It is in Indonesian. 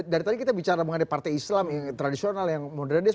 dari tadi kita bicara mengenai partai islam yang tradisional yang modernis